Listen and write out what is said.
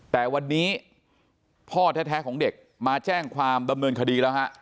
แต่วันนี้พ่อแท้ของเด็กมาแจ้งความดำเนินคดีแล้วฮะ